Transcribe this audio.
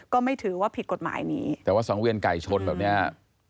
ก็ไม่ถือว่าผิดกฎหมายนี้แต่ว่าสังเวียนไก่ชนแบบเนี้ย